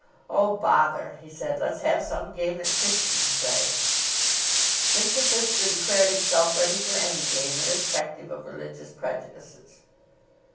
"Oh! bother," he said, "let's have some game that Christians play." Mr. Fisker declared himself ready for any game, irrespective of religious prejudices.